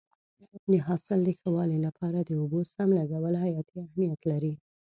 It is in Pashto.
د حاصل د ښه والي لپاره د اوبو سم لګول حیاتي اهمیت لري.